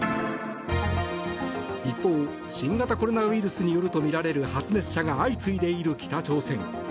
一方、新型コロナウイルスによるとみられる発熱者が相次いでいる北朝鮮。